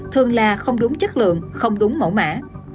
thường là không đúng chất lượng không đúng mẫu mã